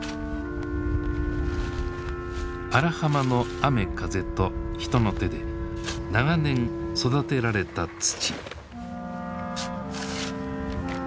荒浜の雨風と人の手で長年育てられた土。